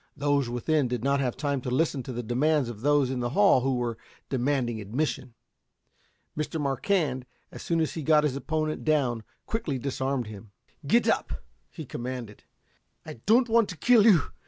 Those within did not have time to listen to the demands of those in the hall, who were demanding admission. Mr. Marquand, as soon as he got his opponent down, quickly disarmed him. "Get up!" he commanded. "I don't want to kill you.